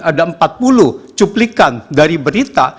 ada empat puluh cuplikan dari berita